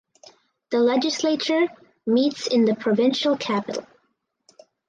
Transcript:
The Legislature meets in the provincial capital.